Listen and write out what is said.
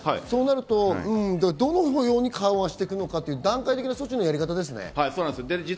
石川さん、どのように緩和していくのか、段階的な措置のやり方ですね。